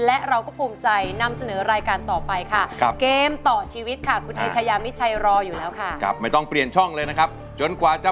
และเราก็ภูมิใจนำเสนอรายการต่อไปค่ะเกมต่อชีวิตค่ะ